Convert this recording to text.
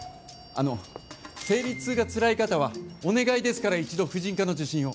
あの、生理痛がつらい方はお願いですから一度、婦人科の受診を！